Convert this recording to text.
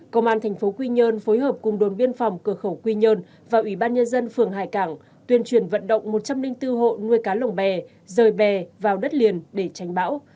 công an thành phố quy nhơn phối hợp cùng đồn biên phòng cửa khẩu quy nhơn và ủy ban nhân dân phường hải cảng tuyên truyền vận động một trăm linh bốn hộ nuôi cá lồng bè rời bè vào đất liền để tránh bão